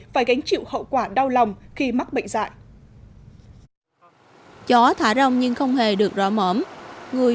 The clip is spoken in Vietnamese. phải gánh chịu hậu quả đau lòng khi mắc bệnh dạy chó thả rong nhưng không hề được rõ mỏm người